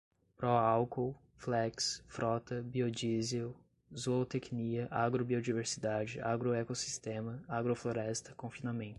pró-álcool, flex, frota, biodiesel, zootecnia, agrobiodiversidade, agroecossistema, agrofloresta, confinamento